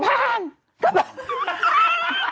พาทพาง